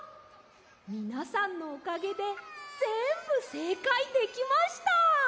みなさんのおかげでぜんぶせいかいできました！